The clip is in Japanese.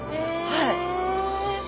はい。